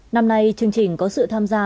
năm nay chương trình có sự tham gia